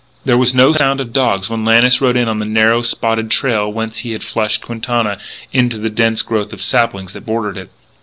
There was no sound of dogs when Lannis rode in on the narrow, spotted trail whence he had flushed Quintana into the dense growth of saplings that bordered it.